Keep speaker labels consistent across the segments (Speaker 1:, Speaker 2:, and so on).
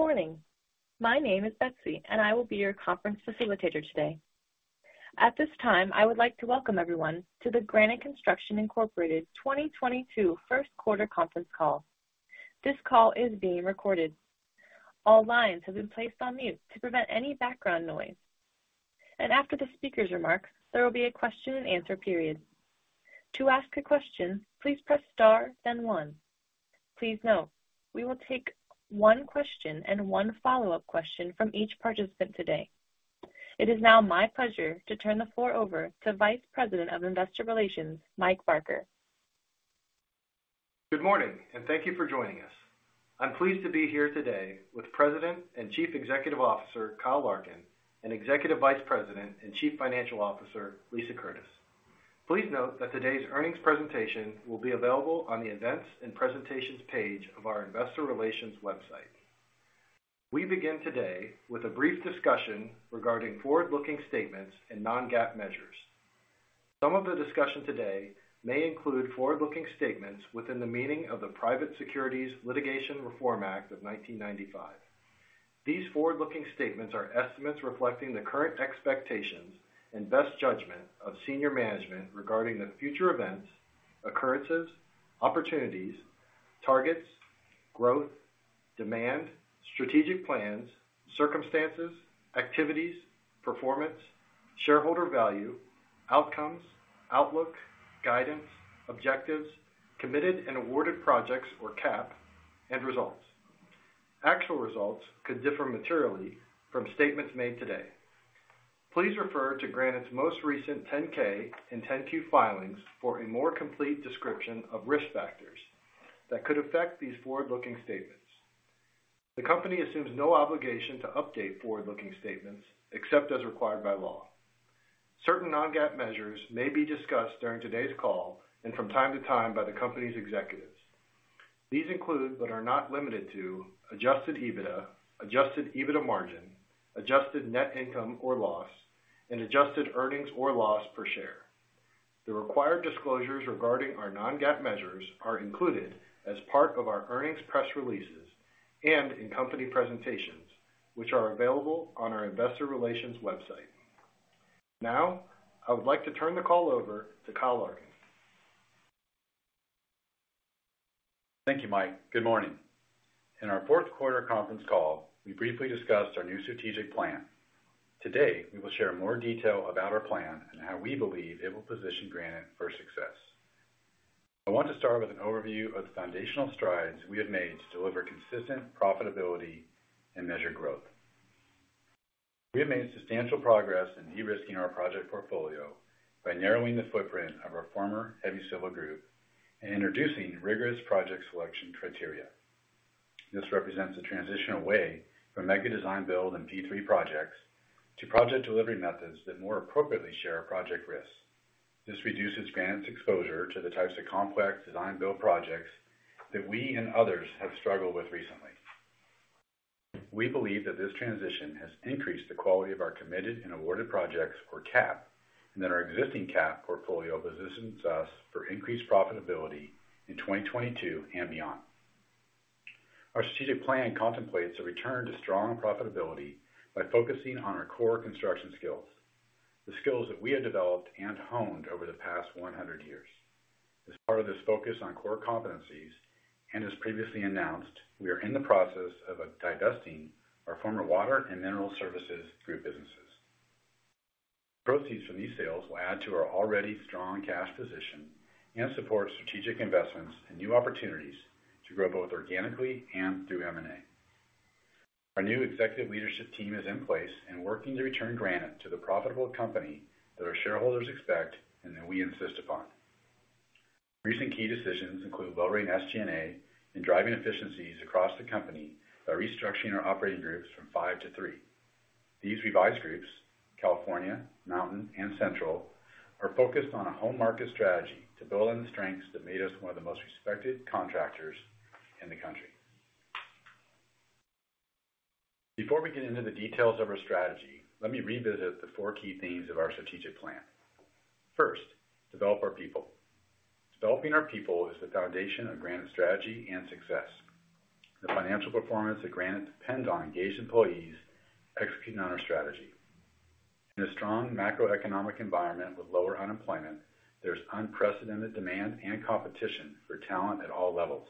Speaker 1: Good morning. My name is Betsy, and I will be your conference facilitator today. At this time, I would like to welcome everyone to the Granite Construction Incorporated 2022 first quarter conference call. This call is being recorded. All lines have been placed on mute to prevent any background noise. After the speaker's remarks, there will be a question and answer period. To ask a question, please press star then one. Please note, we will take one question and one follow-up question from each participant today. It is now my pleasure to turn the floor over to Vice President of Investor Relations, Mike Barker.
Speaker 2: Good morning, and thank you for joining us. I'm pleased to be here today with President and Chief Executive Officer, Kyle Larkin, and Executive Vice President and Chief Financial Officer, Lisa Curtis. Please note that today's earnings presentation will be available on the Events and Presentations page of our investor relations website. We begin today with a brief discussion regarding forward-looking statements and non-GAAP measures. Some of the discussion today may include forward-looking statements within the meaning of the Private Securities Litigation Reform Act of 1995. These forward-looking statements are estimates reflecting the current expectations and best judgment of senior management regarding the future events, occurrences, opportunities, targets, growth, demand, strategic plans, circumstances, activities, performance, shareholder value, outcomes, outlook, guidance, objectives, committed and awarded projects or CAP, and results. Actual results could differ materially from statements made today. Please refer to Granite's most recent 10-K and 10-Q filings for a more complete description of risk factors that could affect these forward-looking statements. The company assumes no obligation to update forward-looking statements except as required by law. Certain non-GAAP measures may be discussed during today's call and from time to time by the company's executives. These include, but are not limited to adjusted EBITDA, adjusted EBITDA margin, adjusted net income or loss, and adjusted earnings or loss per share. The required disclosures regarding our non-GAAP measures are included as part of our earnings press releases and in company presentations, which are available on our investor relations website. Now, I would like to turn the call over to Kyle Larkin.
Speaker 3: Thank you, Mike. Good morning. In our fourth quarter conference call, we briefly discussed our new strategic plan. Today, we will share more detail about our plan and how we believe it will position Granite for success. I want to start with an overview of the foundational strides we have made to deliver consistent profitability and measured growth. We have made substantial progress in de-risking our project portfolio by narrowing the footprint of our former heavy civil group and introducing rigorous project selection criteria. This represents a transition away from mega design-build and P3 projects to project delivery methods that more appropriately share our project risks. This reduces Granite's exposure to the types of complex design-build projects that we and others have struggled with recently. We believe that this transition has increased the quality of our committed and awarded projects or CAP, and that our existing CAP portfolio positions us for increased profitability in 2022 and beyond. Our strategic plan contemplates a return to strong profitability by focusing on our core construction skills, the skills that we have developed and honed over the past 100 years. As part of this focus on core competencies, and as previously announced, we are in the process of divesting our former water and mineral services group businesses. Proceeds from these sales will add to our already strong cash position and support strategic investments and new opportunities to grow both organically and through M&A. Our new executive leadership team is in place and working to return Granite to the profitable company that our shareholders expect and that we insist upon. Recent key decisions include lowering SG&A and driving efficiencies across the company by restructuring our operating groups from five to three. These revised groups, California, Mountain, and Central, are focused on a home market strategy to build on the strengths that made us one of the most respected contractors in the country. Before we get into the details of our strategy, let me revisit the four key themes of our strategic plan. First, develop our people. Developing our people is the foundation of Granite's strategy and success. The financial performance of Granite depends on engaged employees executing on our strategy. In a strong macroeconomic environment with lower unemployment, there's unprecedented demand and competition for talent at all levels.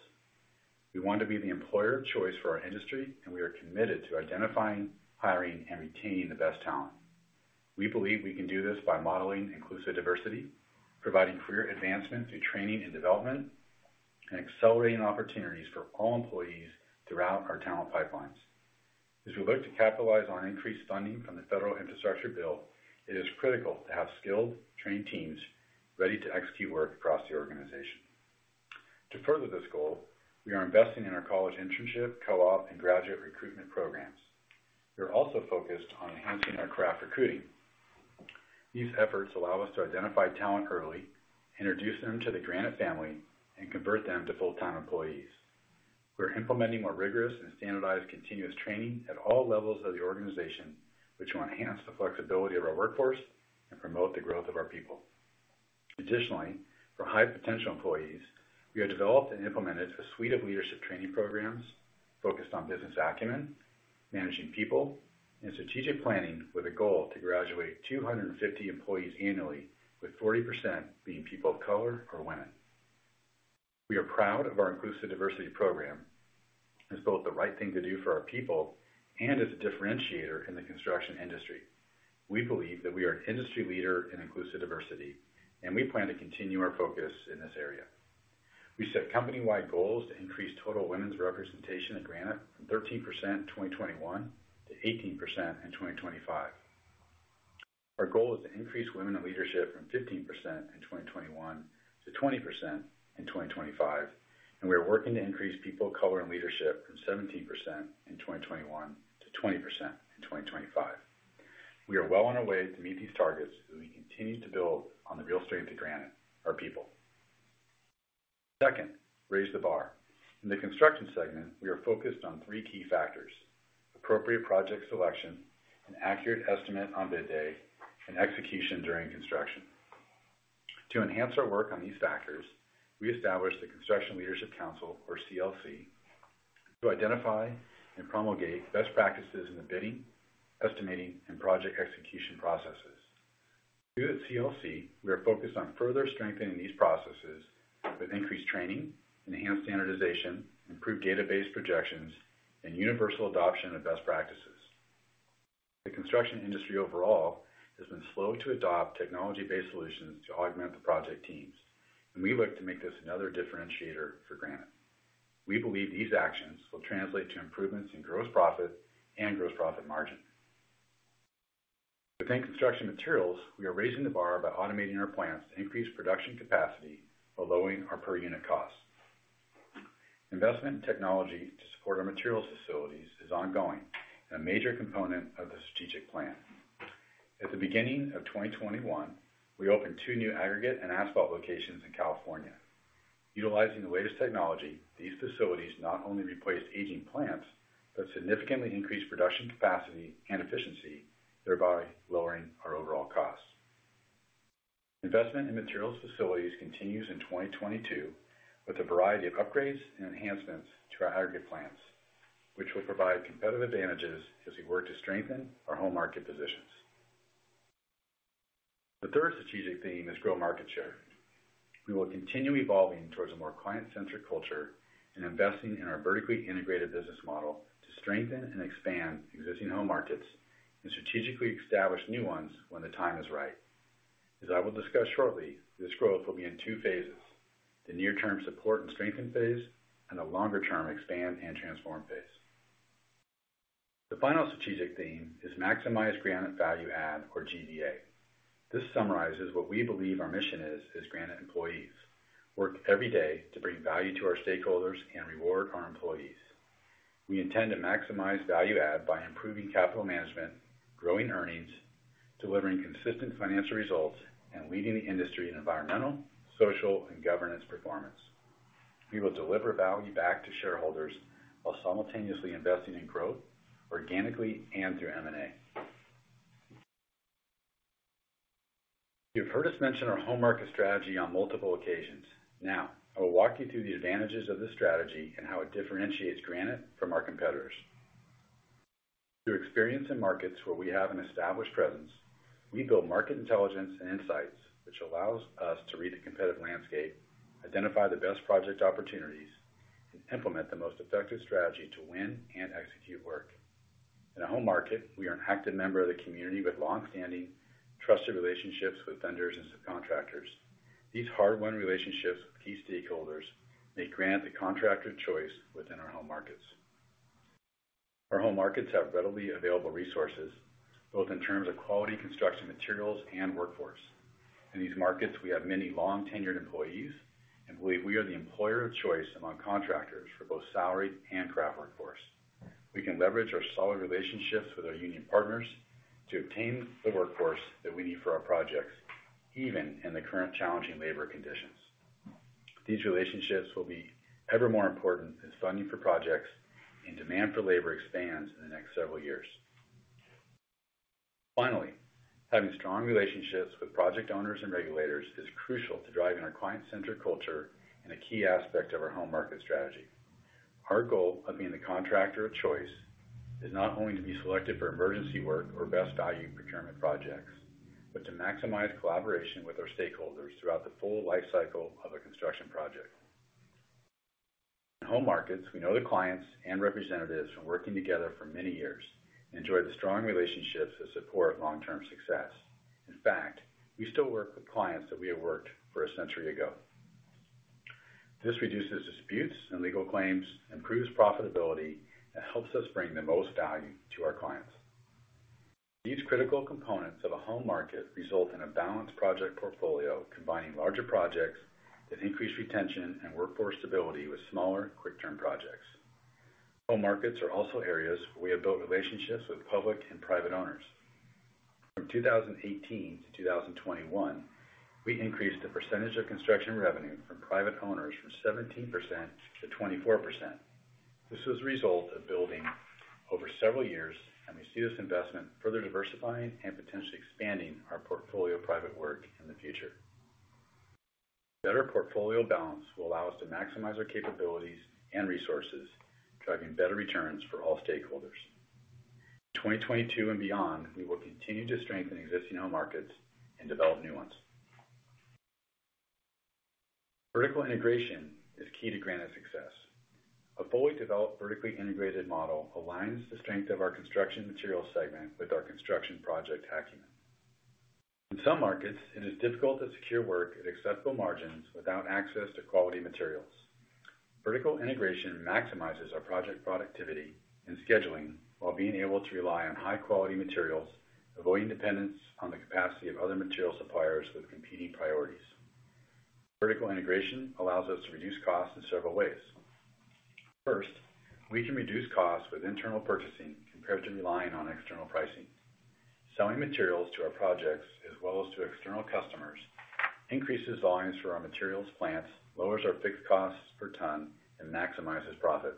Speaker 3: We want to be the employer of choice for our industry, and we are committed to identifying, hiring, and retaining the best talent. We believe we can do this by modeling inclusive diversity, providing career advancement through training and development, and accelerating opportunities for all employees throughout our talent pipelines. As we look to capitalize on increased funding from the Federal Infrastructure Bill, it is critical to have skilled, trained teams ready to execute work across the organization. To further this goal, we are investing in our college internship, co-op, and graduate recruitment programs. We're also focused on enhancing our craft recruiting. These efforts allow us to identify talent early, introduce them to the Granite family, and convert them to full-time employees. We're implementing more rigorous and standardized continuous training at all levels of the organization, which will enhance the flexibility of our workforce and promote the growth of our people. Additionally, for high potential employees, we have developed and implemented a suite of leadership training programs focused on business acumen, managing people, and strategic planning with a goal to graduate 250 employees annually, with 40% being people of color or women. We are proud of our inclusive diversity program as both the right thing to do for our people and as a differentiator in the construction industry. We believe that we are an industry leader in inclusive diversity, and we plan to continue our focus in this area. We set company-wide goals to increase total women's representation at Granite from 13% in 2021 to 18% in 2025. Our goal is to increase women in leadership from 15% in 2021 to 20% in 2025, and we are working to increase people of color in leadership from 17% in 2021 to 20% in 2025. We are well on our way to meet these targets as we continue to build on the real strength of Granite, our people. Second, raise the bar. In the construction segment, we are focused on three key factors, appropriate project selection, an accurate estimate on bid day, and execution during construction. To enhance our work on these factors, we established the Construction Leadership Council, or CLC, to identify and promulgate best practices in the bidding, estimating, and project execution processes. Through the CLC, we are focused on further strengthening these processes with increased training, enhanced standardization, improved database projections, and universal adoption of best practices. The construction industry overall has been slow to adopt technology-based solutions to augment the project teams, and we look to make this another differentiator for Granite. We believe these actions will translate to improvements in gross profit and gross profit margin. Within construction materials, we are raising the bar by automating our plants to increase production capacity while lowering our per-unit costs. Investment in technology to support our materials facilities is ongoing and a major component of the strategic plan. At the beginning of 2021, we opened two new aggregate and asphalt locations in California. Utilizing the latest technology, these facilities not only replaced aging plants, but significantly increased production capacity and efficiency, thereby lowering our overall costs. Investment in materials facilities continues in 2022 with a variety of upgrades and enhancements to our aggregate plants, which will provide competitive advantages as we work to strengthen our home market positions. The third strategic theme is grow market share. We will continue evolving towards a more client-centric culture and investing in our vertically integrated business model to strengthen and expand existing home markets and strategically establish new ones when the time is right. As I will discuss shortly, this growth will be in two phases, the near-term support and strengthen phase, and the longer-term expand and transform phase. The final strategic theme is maximize Granite value add, or GVA. This summarizes what we believe our mission is as Granite employees work every day to bring value to our stakeholders and reward our employees. We intend to maximize value add by improving capital management, growing earnings, delivering consistent financial results, and leading the industry in environmental, social, and governance performance. We will deliver value back to shareholders while simultaneously investing in growth organically and through M&A. You've heard us mention our home market strategy on multiple occasions. Now, I will walk you through the advantages of this strategy and how it differentiates Granite from our competitors. Through experience in markets where we have an established presence, we build market intelligence and insights, which allows us to read a competitive landscape, identify the best project opportunities, and implement the most effective strategy to win and execute work. In a home market, we are an active member of the community with long-standing trusted relationships with vendors and subcontractors. These hard-won relationships with key stakeholders make Granite the contractor of choice within our home markets. Our home markets have readily available resources, both in terms of quality construction materials and workforce. In these markets, we have many long-tenured employees and believe we are the employer of choice among contractors for both salaried and craft workforce. We can leverage our solid relationships with our union partners to obtain the workforce that we need for our projects, even in the current challenging labor conditions. These relationships will be ever more important as funding for projects and demand for labor expands in the next several years. Finally, having strong relationships with project owners and regulators is crucial to driving our client-centric culture and a key aspect of our home market strategy. Our goal of being the contractor of choice is not only to be selected for emergency work or best value procurement projects, but to maximize collaboration with our stakeholders throughout the full life cycle of a construction project. In home markets, we know the clients and representatives from working together for many years, enjoy the strong relationships that support long-term success. In fact, we still work with clients that we have worked for a century ago. This reduces disputes and legal claims, improves profitability, and helps us bring the most value to our clients. These critical components of a home market result in a balanced project portfolio, combining larger projects that increase retention and workforce stability with smaller, quick-turn projects. Home markets are also areas where we have built relationships with public and private owners. From 2018 to 2021, we increased the percentage of construction revenue from private owners from 17% to 24%. This was a result of building over several years, and we see this investment further diversifying and potentially expanding our portfolio of private work in the future. Better portfolio balance will allow us to maximize our capabilities and resources, driving better returns for all stakeholders. In 2022 and beyond, we will continue to strengthen existing home markets and develop new ones. Vertical integration is key to Granite's success. A fully developed vertically integrated model aligns the strength of our construction materials segment with our construction project acumen. In some markets, it is difficult to secure work at acceptable margins without access to quality materials. Vertical integration maximizes our project productivity and scheduling while being able to rely on high-quality materials, avoiding dependence on the capacity of other material suppliers with competing priorities. Vertical integration allows us to reduce costs in several ways. First, we can reduce costs with internal purchasing compared to relying on external pricing. Selling materials to our projects as well as to external customers increases volumes for our materials plants, lowers our fixed costs per ton, and maximizes profit.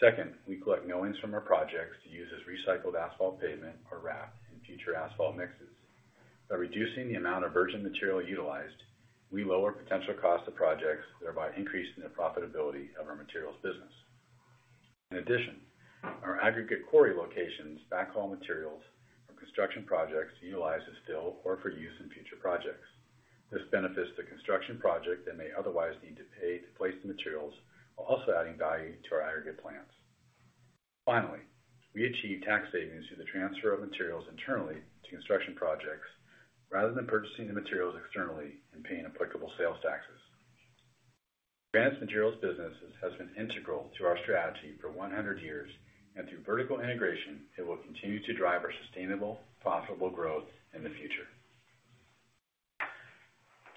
Speaker 3: Second, we collect millings from our projects to use as recycled asphalt pavement or RAP in future asphalt mixes. By reducing the amount of virgin material utilized, we lower potential costs of projects, thereby increasing the profitability of our materials business. In addition, our aggregate quarry locations backhaul materials from construction projects to utilize as fill or for use in future projects. This benefits the construction project that may otherwise need to pay to place the materials while also adding value to our aggregate plants. Finally, we achieve tax savings through the transfer of materials internally to construction projects rather than purchasing the materials externally and paying applicable sales taxes. Granite's materials businesses has been integral to our strategy for 100 years, and through vertical integration, it will continue to drive our sustainable, profitable growth in the future.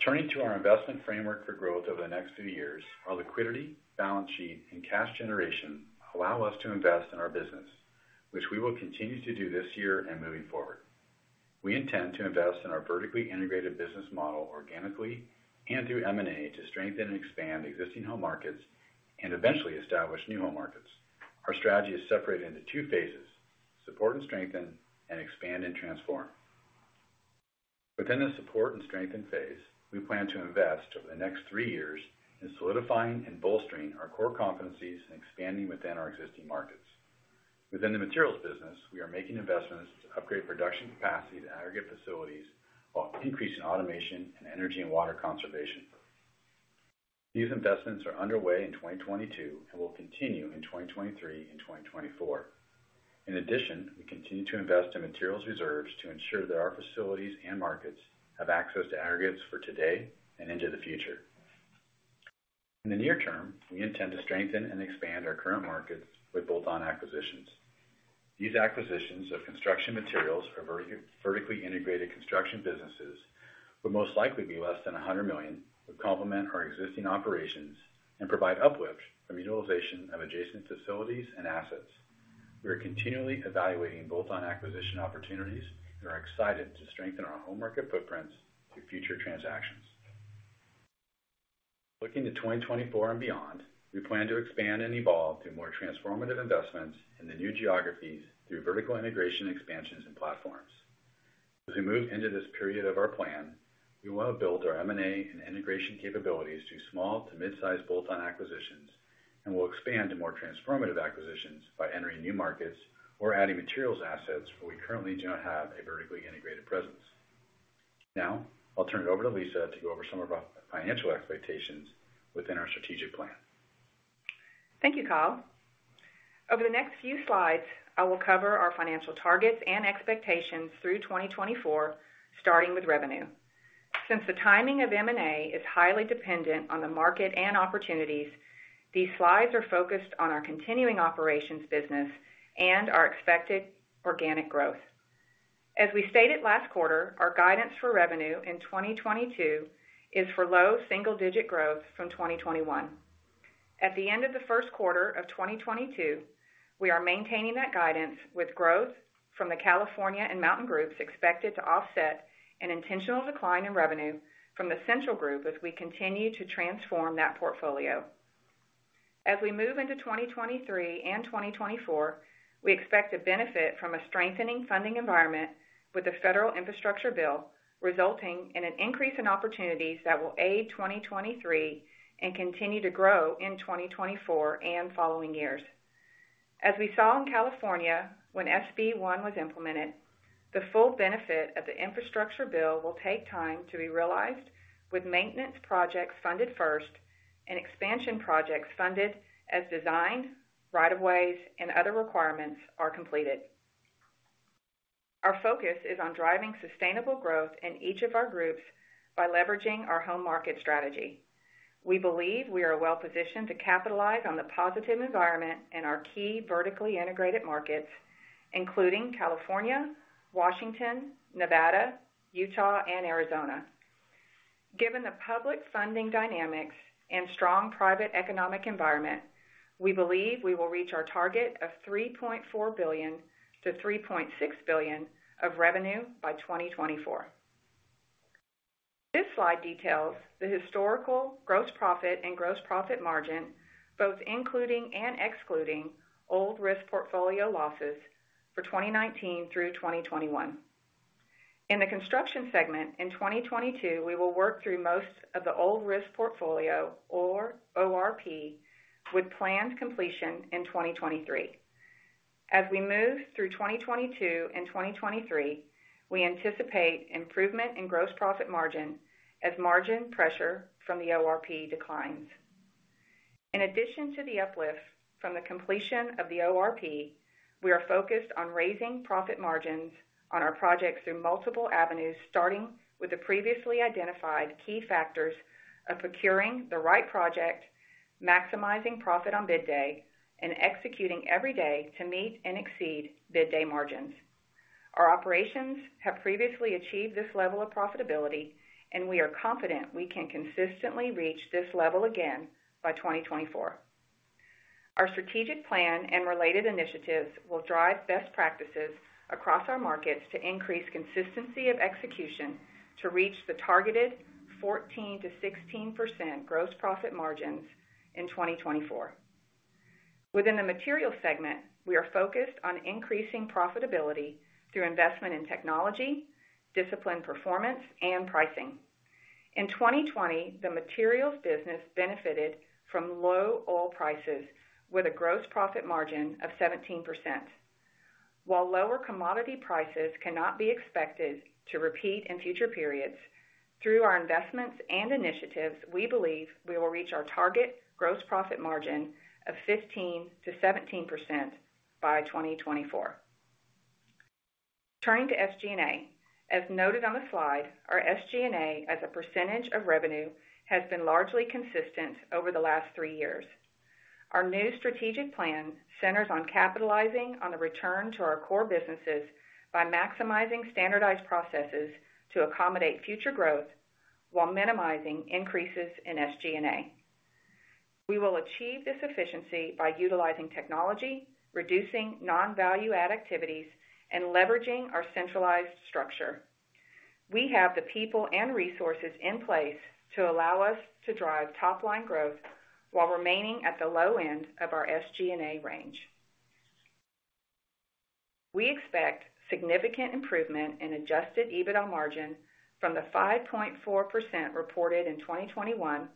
Speaker 3: Turning to our investment framework for growth over the next few years, our liquidity, balance sheet, and cash generation allow us to invest in our business, which we will continue to do this year and moving forward. We intend to invest in our vertically integrated business model organically and through M&A to strengthen and expand existing home markets and eventually establish new home markets. Our strategy is separated into two phases, support and strengthen and expand and transform. Within the support and strengthen phase, we plan to invest over the next three years in solidifying and bolstering our core competencies and expanding within our existing markets. Within the materials business, we are making investments to upgrade production capacity to aggregates facilities while increasing automation and energy and water conservation. These investments are underway in 2022 and will continue in 2023 and 2024. In addition, we continue to invest in materials reserves to ensure that our facilities and markets have access to aggregates for today and into the future. In the near term, we intend to strengthen and expand our current markets with bolt-on acquisitions. These acquisitions of construction materials or vertically integrated construction businesses will most likely be less than $100 million, would complement our existing operations, and provide uplift from utilization of adjacent facilities and assets. We are continually evaluating bolt-on acquisition opportunities and are excited to strengthen our home market footprints through future transactions. Looking to 2024 and beyond, we plan to expand and evolve through more transformative investments in the new geographies through vertical integration expansions and platforms. As we move into this period of our plan, we will have built our M&A and integration capabilities through small to mid-size bolt-on acquisitions, and we'll expand to more transformative acquisitions by entering new markets or adding materials assets where we currently do not have a vertically integrated presence. Now, I'll turn it over to Lisa to go over some of our financial expectations within our strategic plan.
Speaker 4: Thank you, Kyle. Over the next few slides, I will cover our financial targets and expectations through 2024, starting with revenue. Since the timing of M&A is highly dependent on the market and opportunities, these slides are focused on our continuing operations business and our expected organic growth. As we stated last quarter, our guidance for revenue in 2022 is for low single-digit growth from 2021. At the end of the first quarter of 2022, we are maintaining that guidance with growth from the California Group and Mountain Group expected to offset an intentional decline in revenue from the Central Group as we continue to transform that portfolio. As we move into 2023 and 2024, we expect to benefit from a strengthening funding environment with the federal infrastructure bill, resulting in an increase in opportunities that will aid 2023 and continue to grow in 2024 and following years. As we saw in California when SB 1 was implemented, the full benefit of the infrastructure bill will take time to be realized with maintenance projects funded first and expansion projects funded as designed, rights-of-way, and other requirements are completed. Our focus is on driving sustainable growth in each of our groups by leveraging our home market strategy. We believe we are well positioned to capitalize on the positive environment in our key vertically integrated markets, including California, Washington, Nevada, Utah, and Arizona. Given the public funding dynamics and strong private economic environment, we believe we will reach our target of $3.4 billion-$3.6 billion of revenue by 2024. This slide details the historical gross profit and gross profit margin, both including and excluding old risk portfolio losses for 2019 through 2021. In the construction segment in 2022, we will work through most of the old risk portfolio or ORP with planned completion in 2023. As we move through 2022 and 2023, we anticipate improvement in gross profit margin as margin pressure from the ORP declines. In addition to the uplift from the completion of the ORP, we are focused on raising profit margins on our projects through multiple avenues, starting with the previously identified key factors of procuring the right project, maximizing profit on bid day, and executing every day to meet and exceed bid day margins. Our operations have previously achieved this level of profitability, and we are confident we can consistently reach this level again by 2024. Our strategic plan and related initiatives will drive best practices across our markets to increase consistency of execution to reach the targeted 14%-16% gross profit margins in 2024. Within the materials segment, we are focused on increasing profitability through investment in technology, disciplined performance and pricing. In 2020, the materials business benefited from low oil prices with a gross profit margin of 17%. While lower commodity prices cannot be expected to repeat in future periods, through our investments and initiatives, we believe we will reach our target gross profit margin of 15%-17% by 2024. Turning to SG&A. As noted on the slide, our SG&A as a percentage of revenue has been largely consistent over the last three years. Our new strategic plan centers on capitalizing on the return to our core businesses by maximizing standardized processes to accommodate future growth while minimizing increases in SG&A. We will achieve this efficiency by utilizing technology, reducing non-value add activities, and leveraging our centralized structure. We have the people and resources in place to allow us to drive top line growth while remaining at the low end of our SG&A range. We expect significant improvement in adjusted EBITDA margin from the 5.4% reported in 2021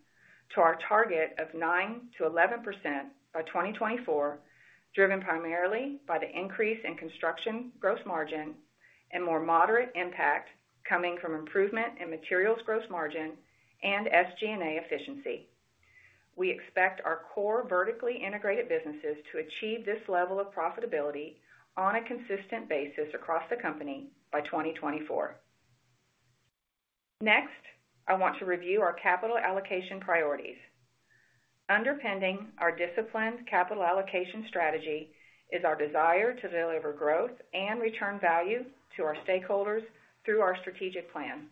Speaker 4: to our target of 9%-11% by 2024, driven primarily by the increase in construction gross margin and more moderate impact coming from improvement in materials gross margin and SG&A efficiency. We expect our core vertically integrated businesses to achieve this level of profitability on a consistent basis across the company by 2024. Next, I want to review our capital allocation priorities. Underpinning our disciplined capital allocation strategy is our desire to deliver growth and return value to our stakeholders through our strategic plan.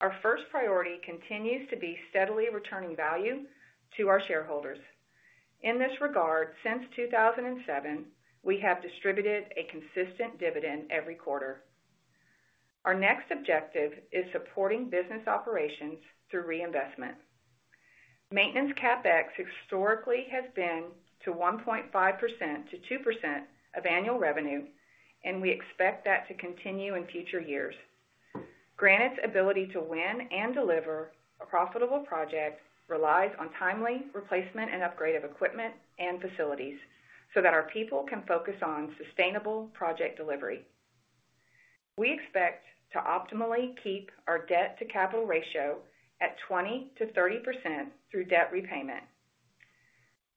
Speaker 4: Our first priority continues to be steadily returning value to our shareholders. In this regard, since 2007, we have distributed a consistent dividend every quarter. Our next objective is supporting business operations through reinvestment. Maintenance CapEx historically has been 1.5%-2% of annual revenue, and we expect that to continue in future years. Granite's ability to win and deliver a profitable project relies on timely replacement and upgrade of equipment and facilities so that our people can focus on sustainable project delivery. We expect to optimally keep our debt to capital ratio at 20%-30% through debt repayment.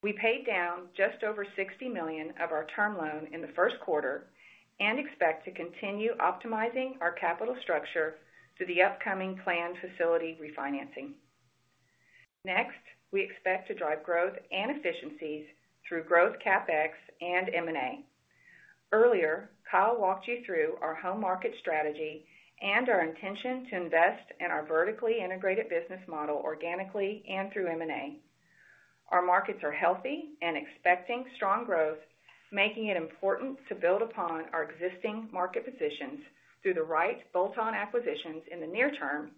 Speaker 4: We paid down just over $60 million of our term loan in the first quarter and expect to continue optimizing our capital structure through the upcoming planned facility refinancing. Next, we expect to drive growth and efficiencies through growth CapEx and M&A. Earlier, Kyle walked you through our home market strategy and our intention to invest in our vertically integrated business model organically and through M&A. Our markets are healthy and expecting strong growth, making it important to build upon our existing market positions through the right bolt-on acquisitions in the near term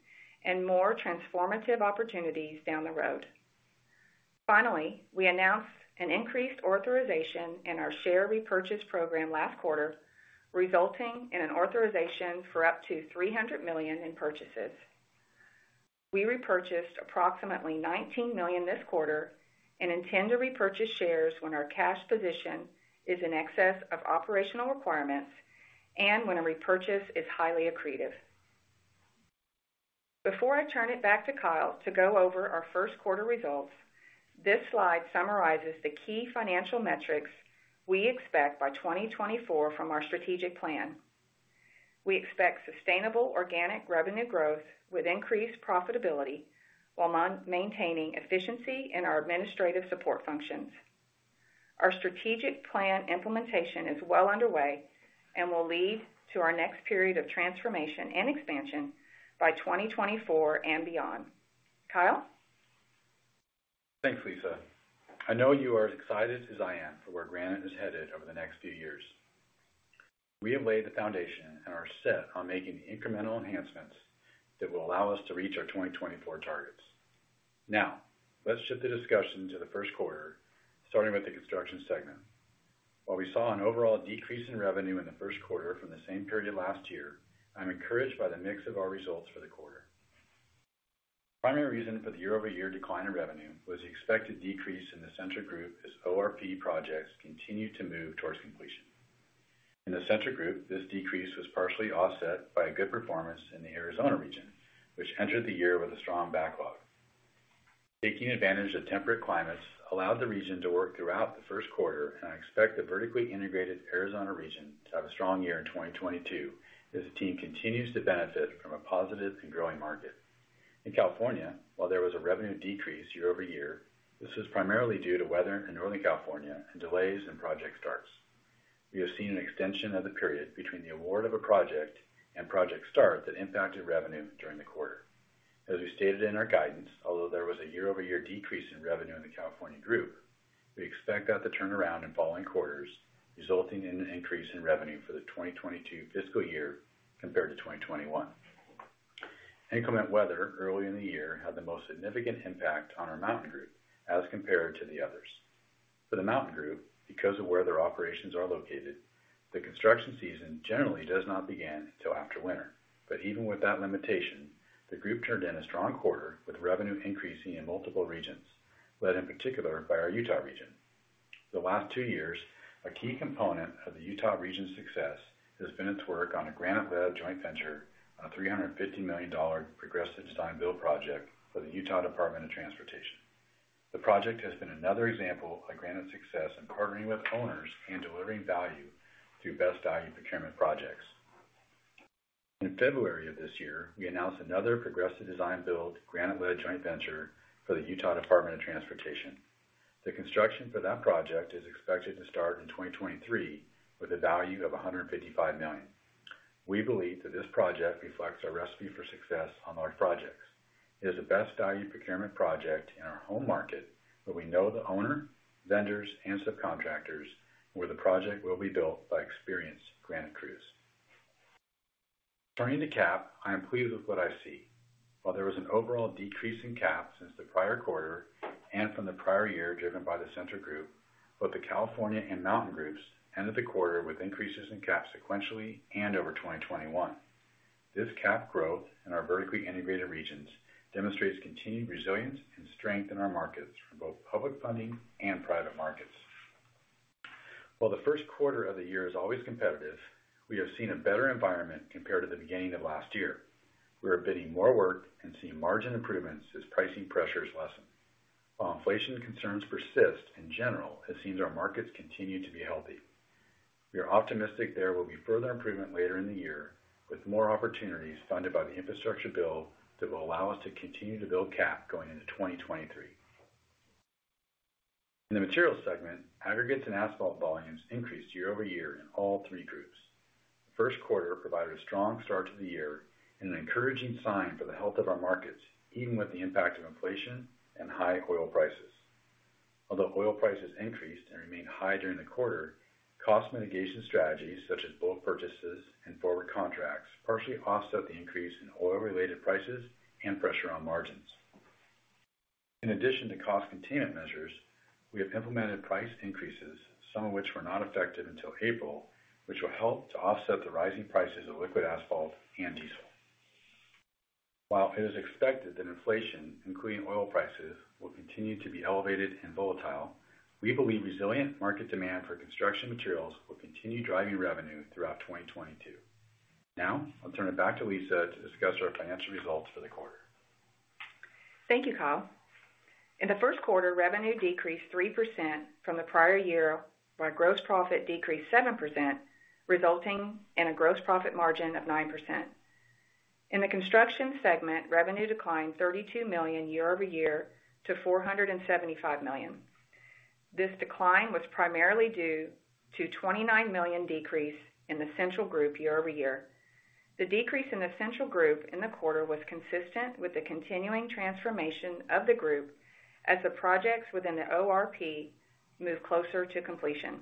Speaker 4: and more transformative opportunities down the road. Finally, we announced an increased authorization in our share repurchase program last quarter, resulting in an authorization for up to $300 million in purchases. We repurchased approximately $19 million this quarter and intend to repurchase shares when our cash position is in excess of operational requirements and when a repurchase is highly accretive. Before I turn it back to Kyle to go over our first quarter results, this slide summarizes the key financial metrics we expect by 2024 from our strategic plan. We expect sustainable organic revenue growth with increased profitability while maintaining efficiency in our administrative support functions. Our strategic plan implementation is well underway and will lead to our next period of transformation and expansion by 2024 and beyond. Kyle?
Speaker 3: Thanks, Lisa. I know you are as excited as I am for where Granite is headed over the next few years. We have laid the foundation and are set on making incremental enhancements that will allow us to reach our 2024 targets. Now, let's shift the discussion to the first quarter, starting with the construction segment. While we saw an overall decrease in revenue in the first quarter from the same period last year, I'm encouraged by the mix of our results for the quarter. Primary reason for the year-over-year decline in revenue was the expected decrease in the Central Group as ORP projects continued to move towards completion. In the Central Group, this decrease was partially offset by a good performance in the Arizona region, which entered the year with a strong backlog. Taking advantage of temperate climates allowed the region to work throughout the first quarter, and I expect the vertically integrated Arizona region to have a strong year in 2022 as the team continues to benefit from a positive and growing market. In California, while there was a revenue decrease year-over-year, this was primarily due to weather in Northern California and delays in project starts. We have seen an extension of the period between the award of a project and project start that impacted revenue during the quarter. As we stated in our guidance, although there was a year-over-year decrease in revenue in the California Group, we expect that to turn around in following quarters, resulting in an increase in revenue for the 2022 fiscal year compared to 2021. Inclement weather early in the year had the most significant impact on our Mountain Group as compared to the others. For the Mountain Group, because of where their operations are located, the construction season generally does not begin until after winter. Even with that limitation, the group turned in a strong quarter with revenue increasing in multiple regions, led in particular by our Utah region. The last two years, a key component of the Utah region's success has been its work on a Granite-led joint venture on a $350 million progressive design-build project for the Utah Department of Transportation. The project has been another example of Granite's success in partnering with owners and delivering value through best value procurement projects. In February of this year, we announced another progressive design-build Granite-led joint venture for the Utah Department of Transportation. The construction for that project is expected to start in 2023 with a value of $155 million. We believe that this project reflects our recipe for success on large projects. It is a best value procurement project in our home market, where we know the owner, vendors, and subcontractors, and where the project will be built by experienced Granite crews. Turning to CapEx, I am pleased with what I see. While there was an overall decrease in CapEx since the prior quarter and from the prior year driven by the Central Group, both the California Group and Mountain Group ended the quarter with increases in CapEx sequentially and over 2021. This CapEx growth in our vertically integrated regions demonstrates continued resilience and strength in our markets for both public funding and private markets. While the first quarter of the year is always competitive, we have seen a better environment compared to the beginning of last year. We are bidding more work and seeing margin improvements as pricing pressures lessen. While inflation concerns persist, in general, it seems our markets continue to be healthy. We are optimistic there will be further improvement later in the year with more opportunities funded by the infrastructure bill that will allow us to continue to build cap going into 2023. In the materials segment, aggregates and asphalt volumes increased year-over-year in all three groups. First quarter provided a strong start to the year and an encouraging sign for the health of our markets, even with the impact of inflation and high oil prices. Although oil prices increased and remained high during the quarter, cost mitigation strategies, such as bulk purchases and forward contracts, partially offset the increase in oil-related prices and pressure on margins. In addition to cost containment measures, we have implemented price increases, some of which were not effective until April, which will help to offset the rising prices of liquid asphalt and diesel. While it is expected that inflation, including oil prices, will continue to be elevated and volatile, we believe resilient market demand for construction materials will continue driving revenue throughout 2022. Now, I'll turn it back to Lisa to discuss our financial results for the quarter.
Speaker 4: Thank you, Kyle. In the first quarter, revenue decreased 3% from the prior year, while gross profit decreased 7%, resulting in a gross profit margin of 9%. In the construction segment, revenue declined $32 million year-over-year to $475 million. This decline was primarily due to $29 million decrease in the Central Group year-over-year. The decrease in the Central Group in the quarter was consistent with the continuing transformation of the group as the projects within the ORP move closer to completion.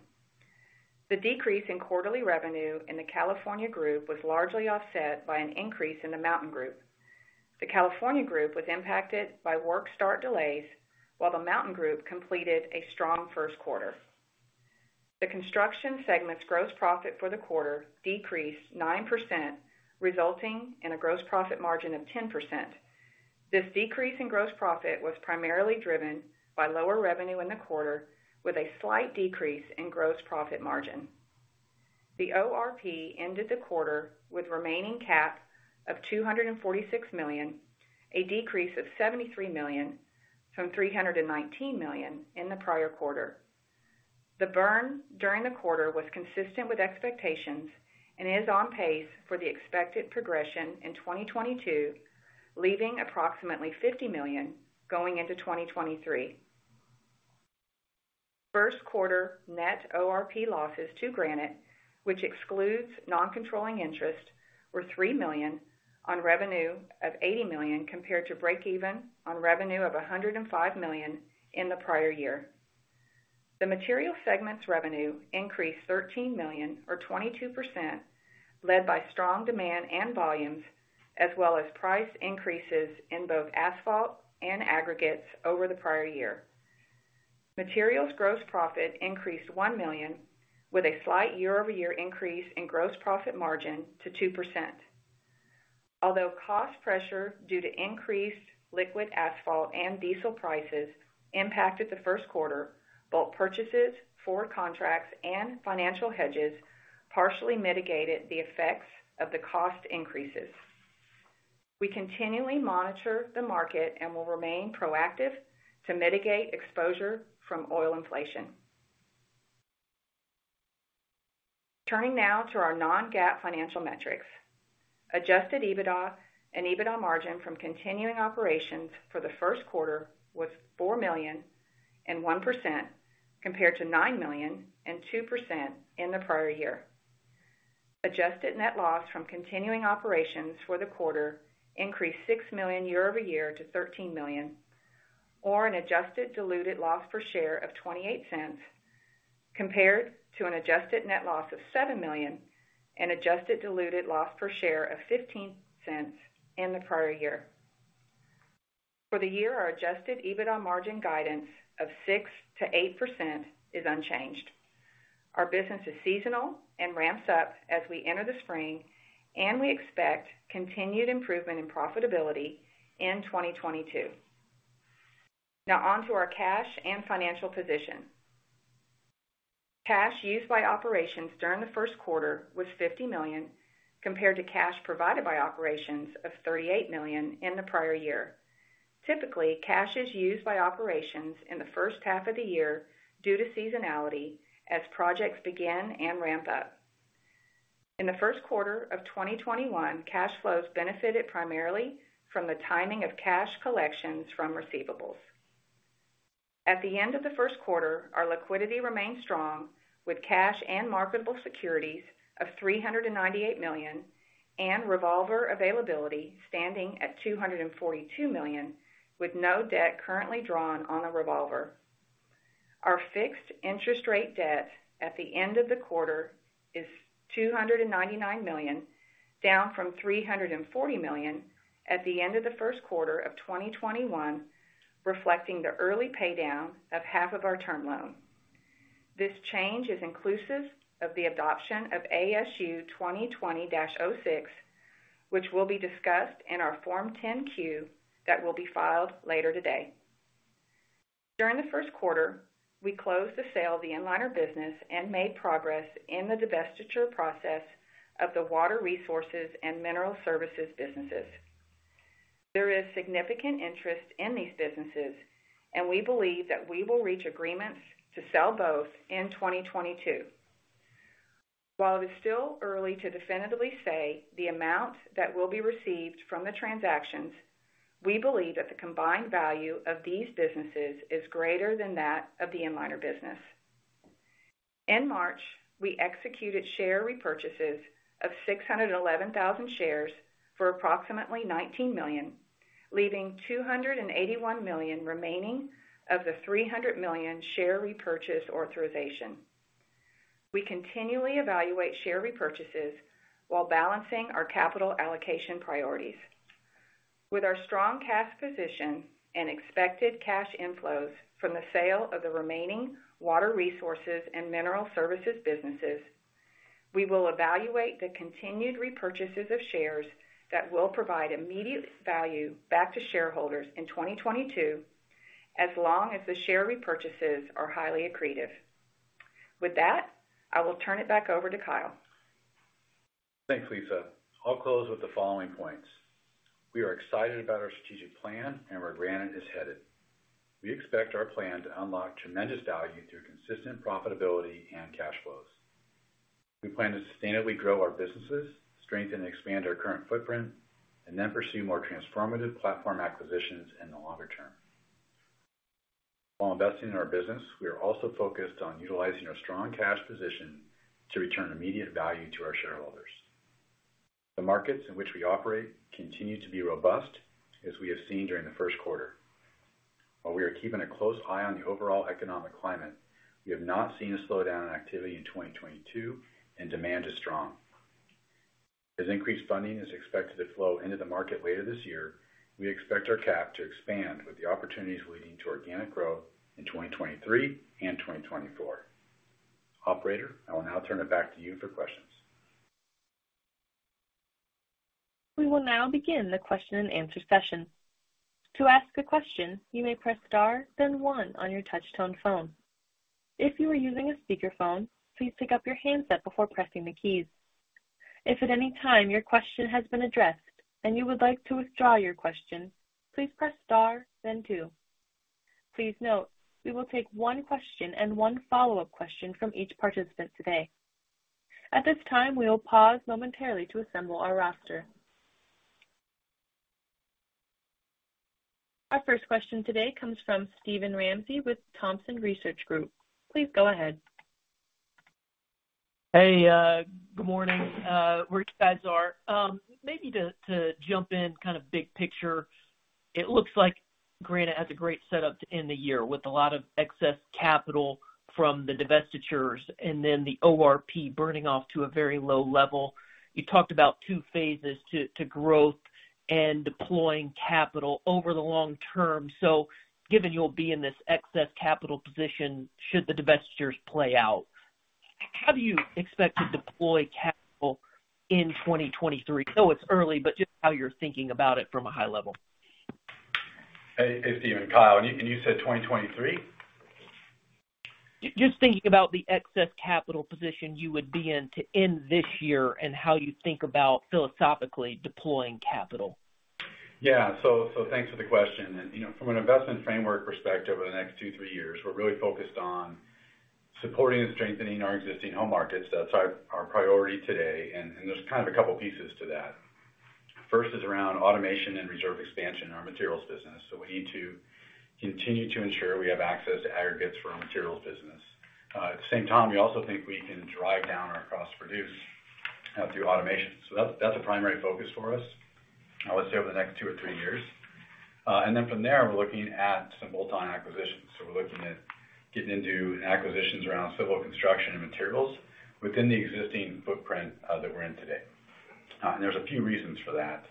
Speaker 4: The decrease in quarterly revenue in the California Group was largely offset by an increase in the Mountain Group. The California Group was impacted by work start delays, while the Mountain Group completed a strong first quarter. The construction segment's gross profit for the quarter decreased 9%, resulting in a gross profit margin of 10%. This decrease in gross profit was primarily driven by lower revenue in the quarter, with a slight decrease in gross profit margin. The ORP ended the quarter with remaining Cap of $246 million, a decrease of $73 million from $319 million in the prior quarter. The burn during the quarter was consistent with expectations and is on pace for the expected progression in 2022, leaving approximately $50 million going into 2023. First quarter net ORP losses to Granite, which excludes non-controlling interest, were $3 million on revenue of $80 million compared to breakeven on revenue of $105 million in the prior year. The materials segment's revenue increased $13 million or 22%, led by strong demand and volumes as well as price increases in both asphalt and aggregates over the prior year. Materials gross profit increased $1 million, with a slight year-over-year increase in gross profit margin to 2%. Although cost pressure due to increased liquid asphalt and diesel prices impacted the first quarter, both purchases for contracts and financial hedges partially mitigated the effects of the cost increases. We continually monitor the market and will remain proactive to mitigate exposure from oil inflation. Turning now to our non-GAAP financial metrics. Adjusted EBITDA and EBITDA margin from continuing operations for the first quarter was $4 million and 1% compared to $9 million and 2% in the prior year. Adjusted net loss from continuing operations for the quarter increased $6 million year-over-year to $13 million, or an adjusted diluted loss per share of $0.28, compared to an adjusted net loss of $7 million and adjusted diluted loss per share of $0.15 in the prior year. For the year, our adjusted EBITDA margin guidance of 6%-8% is unchanged. Our business is seasonal and ramps up as we enter the spring, and we expect continued improvement in profitability in 2022. Now on to our cash and financial position. Cash used by operations during the first quarter was $50 million, compared to cash provided by operations of $38 million in the prior year. Typically, cash is used by operations in the first half of the year due to seasonality as projects begin and ramp up. In the first quarter of 2021, cash flows benefited primarily from the timing of cash collections from receivables. At the end of the first quarter, our liquidity remained strong with cash and marketable securities of $398 million and revolver availability standing at $242 million with no debt currently drawn on the revolver. Our fixed interest rate debt at the end of the quarter is $299 million, down from $340 million at the end of the first quarter of 2021, reflecting the early pay down of half of our term loan. This change is inclusive of the adoption of ASU 2020-06, which will be discussed in our Form 10-Q that will be filed later today. During the first quarter, we closed the sale of the Inliner business and made progress in the divestiture process of the Water Resources and Mineral Services businesses. There is significant interest in these businesses, and we believe that we will reach agreements to sell both in 2022. While it is still early to definitively say the amount that will be received from the transactions, we believe that the combined value of these businesses is greater than that of the Inliner business. In March, we executed share repurchases of 611,000 shares for approximately $19 million, leaving $281 million remaining of the $300 million share repurchase authorization. We continually evaluate share repurchases while balancing our capital allocation priorities. With our strong cash position and expected cash inflows from the sale of the remaining Water Resources and Mineral Services businesses, we will evaluate the continued repurchases of shares that will provide immediate value back to shareholders in 2022 as long as the share repurchases are highly accretive. With that, I will turn it back over to Kyle.
Speaker 3: Thanks, Lisa. I'll close with the following points. We are excited about our strategic plan and where Granite is headed. We expect our plan to unlock tremendous value through consistent profitability and cash flows. We plan to sustainably grow our businesses, strengthen and expand our current footprint, and then pursue more transformative platform acquisitions in the longer term. While investing in our business, we are also focused on utilizing our strong cash position to return immediate value to our shareholders. The markets in which we operate continue to be robust as we have seen during the first quarter. While we are keeping a close eye on the overall economic climate, we have not seen a slowdown in activity in 2022 and demand is strong. As increased funding is expected to flow into the market later this year, we expect our CapEx to expand with the opportunities leading to organic growth in 2023 and 2024. Operator, I will now turn it back to you for questions.
Speaker 1: We will now begin the question and answer session. To ask a question, you may press star then one on your touch tone phone. If you are using a speakerphone, please pick up your handset before pressing the keys. If at any time your question has been addressed and you would like to withdraw your question, please press star then two. Please note, we will take one question and one follow-up question from each participant today. At this time, we will pause momentarily to assemble our roster. Our first question today comes from Steven Ramsey with Thompson Research Group. Please go ahead.
Speaker 5: Hey, good morning, wherever you guys are. Maybe to jump in kind of big picture, it looks like Granite has a great setup to end the year with a lot of excess capital from the divestitures and then the ORP burning off to a very low level. You talked about two phases to growth and deploying capital over the long term. Given you'll be in this excess capital position should the divestitures play out, how do you expect to deploy capital in 2023? I know it's early, but just how you're thinking about it from a high level.
Speaker 3: Hey, Steven. Kyle. You said 2023?
Speaker 5: Just thinking about the excess capital position you would be in to end this year and how you think about philosophically deploying capital?
Speaker 3: Yeah. Thanks for the question. You know, from an investment framework perspective, over the next 2-3 years, we're really focused on supporting and strengthening our existing home markets. That's our priority today, and there's kind of a couple pieces to that. First is around automation and reserve expansion in our materials business. We need to continue to ensure we have access to aggregates for our materials business. At the same time, we also think we can drive down our cost to produce through automation. That's a primary focus for us, let's say over the next 2 or 3 years. From there, we're looking at some bolt-on acquisitions. We're looking at getting into acquisitions around civil construction and materials within the existing footprint that we're in today. There's a few reasons for that.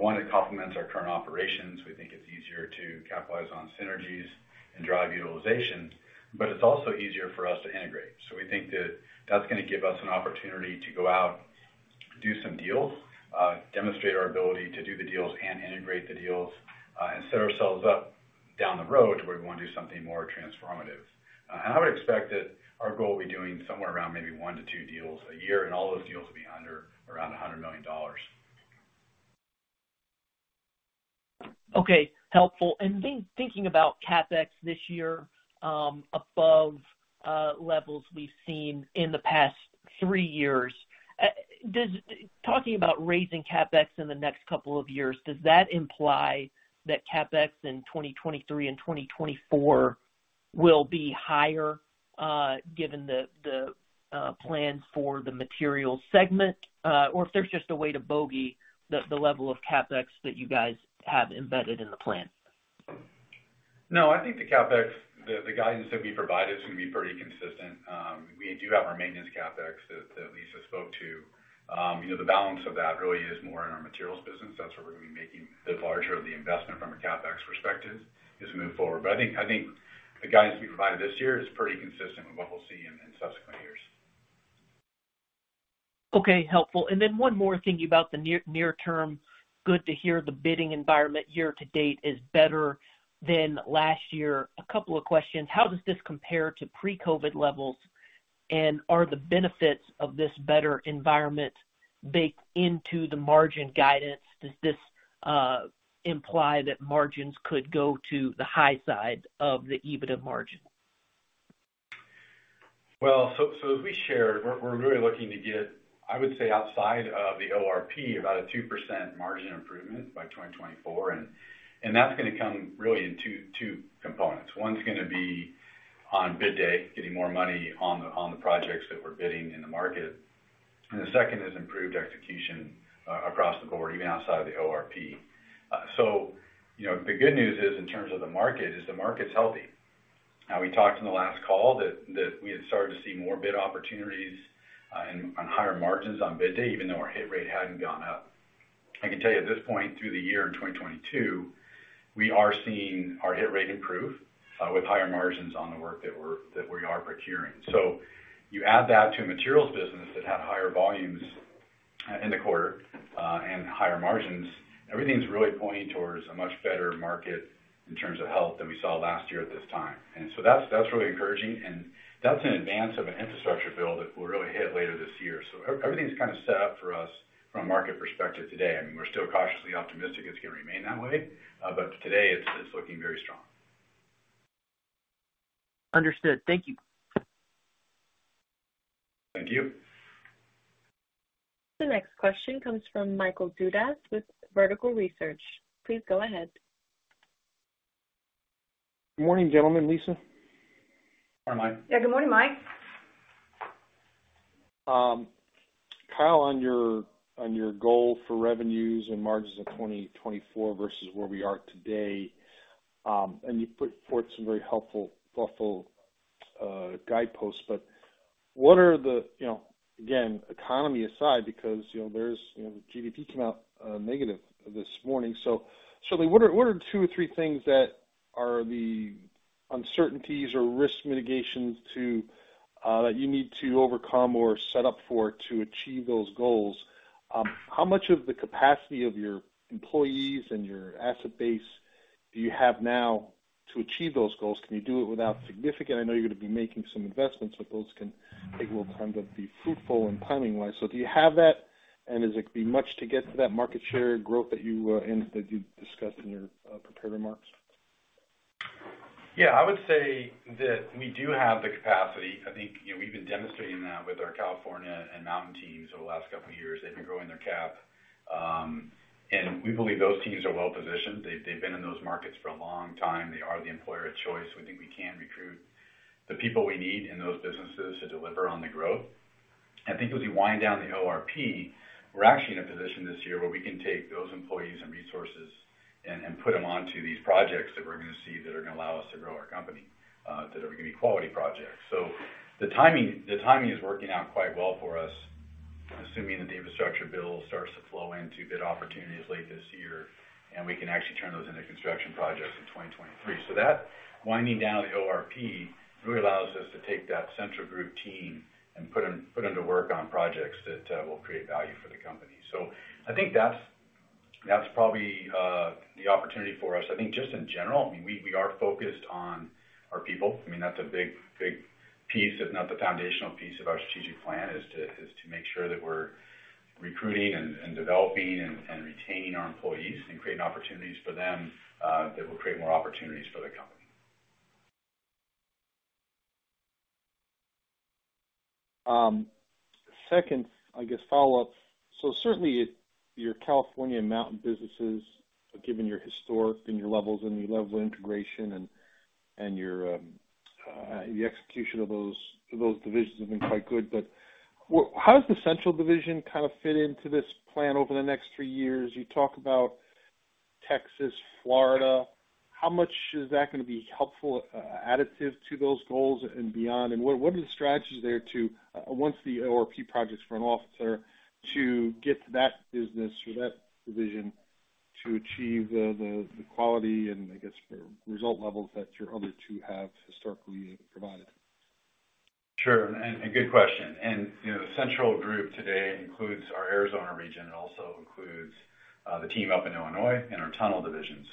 Speaker 3: One, it complements our current operations. We think it's easier to capitalize on synergies and drive utilization, but it's also easier for us to integrate. We think that that's gonna give us an opportunity to go out, do some deals, demonstrate our ability to do the deals and integrate the deals, and set ourselves up down the road where we wanna do something more transformative. I would expect that our goal will be doing somewhere around maybe 1-2 deals a year, and all those deals will be under around $100 million.
Speaker 5: Okay. Helpful. Thinking about CapEx this year above levels we've seen in the past three years, talking about raising CapEx in the next couple of years, does that imply that CapEx in 2023 and 2024 will be higher, given the plans for the materials segment? Or if there's just a way to bogey the level of CapEx that you guys have embedded in the plan.
Speaker 3: No, I think the CapEx guidance that we provided is gonna be pretty consistent. We do have our maintenance CapEx that Lisa spoke to. You know, the balance of that really is more in our materials business. That's where we're gonna be making the larger of the investment from a CapEx perspective as we move forward. I think the guidance we provided this year is pretty consistent with what we'll see in subsequent years.
Speaker 5: Okay. Helpful. One more thinking about the near term. Good to hear the bidding environment year to date is better than last year. A couple of questions. How does this compare to pre-COVID levels, and are the benefits of this better environment baked into the margin guidance? Does this imply that margins could go to the high side of the EBITDA margin?
Speaker 3: Well, as we shared, we're really looking to get, I would say, outside of the ORP, about a 2% margin improvement by 2024. That's gonna come really in two components. One's gonna be on bid day, getting more money on the projects that we're bidding in the market. The second is improved execution across the board, even outside of the ORP. You know, the good news is, in terms of the market, the market's healthy. We talked in the last call that we had started to see more bid opportunities and on higher margins on bid day, even though our hit rate hadn't gone up. I can tell you at this point, through the year in 2022, we are seeing our hit rate improve with higher margins on the work that we are procuring. You add that to a materials business that had higher volumes in the quarter and higher margins, everything's really pointing towards a much better market in terms of health than we saw last year at this time. That's really encouraging, and that's in advance of an infrastructure build that will really hit later this year. Everything's kind of set up for us from a market perspective today. I mean, we're still cautiously optimistic it's gonna remain that way. Today it's looking very strong.
Speaker 5: Understood. Thank you.
Speaker 3: Thank you.
Speaker 1: The next question comes from Michael Dudas with Vertical Research. Please go ahead.
Speaker 6: Good morning, gentlemen, Lisa.
Speaker 3: Good morning, Mike.
Speaker 4: Yeah. Good morning, Mike.
Speaker 6: Kyle, on your goal for revenues and margins in 2024 versus where we are today, and you put forth some very helpful, thoughtful guideposts, but you know, again, economy aside, because, you know, there's, you know, the GDP came out negative this morning. What are two or three things that are the uncertainties or risk mitigations to that you need to overcome or set up for to achieve those goals? How much of the capacity of your employees and your asset base do you have now to achieve those goals? Can you do it without significant, I know you're gonna be making some investments, but those can take a little time to be fruitful and planning-wise. Do you have that? Is it gonna be much to get to that market share growth that you discussed in your prepared remarks?
Speaker 3: Yeah, I would say that we do have the capacity. I think, you know, we've been demonstrating that with our California and Mountain teams over the last couple of years. They've been growing their cap. And we believe those teams are well positioned. They've been in those markets for a long time. They are the employer of choice. We think we can recruit the people we need in those businesses to deliver on the growth. I think as we wind down the ORP, we're actually in a position this year where we can take those employees and resources and put them onto these projects that we're gonna see that are gonna allow us to grow our company, that are gonna be quality projects. The timing is working out quite well for us, assuming that the infrastructure bill starts to flow into bid opportunities late this year, and we can actually turn those into construction projects in 2023. That winding down the ORP really allows us to take that Central Group team and put them to work on projects that will create value for the company. I think that's probably the opportunity for us. I think just in general, I mean, we are focused on our people. I mean, that's a big piece, if not the foundational piece of our strategic plan, is to make sure that we're recruiting and developing and retaining our employees and creating opportunities for them that will create more opportunities for the company.
Speaker 6: Second, I guess, follow-up. Certainly your California and Mountain businesses, given your historic and your levels and your level of integration and the execution of those divisions have been quite good. How does the Central division kind of fit into this plan over the next three years? You talk about Texas, Florida. How much is that gonna be helpful, additive to those goals and beyond? What are the strategies there to once the ORP projects run off, to get to that business or that division to achieve the quality and I guess, the result levels that your other two have historically provided?
Speaker 3: Sure. Good question. You know, the Central Group today includes our Arizona region. It also includes the team up in Illinois and our tunnel division.